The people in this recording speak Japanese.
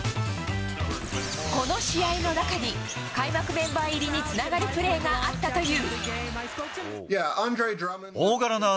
この試合の中に開幕メンバー入りにつながるプレーがあったという。